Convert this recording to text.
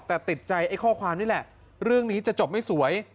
แต่ติดใจไอ้ข้อความนี่แหละเรื่องนี้จะจบไม่สวย